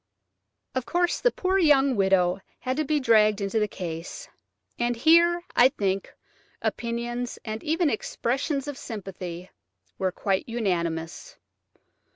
Of course the poor young widow had to be dragged into the case, and here, I think, opinions and even expressions of sympathy were quite unanimous.